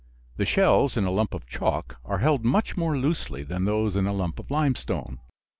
The shells in a lump of chalk are held much more loosely than those in a lump of limestone.